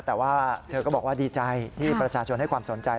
แต่ว่าเธอก็บอกว่าดีใจที่ประชาชนให้ความสนใจ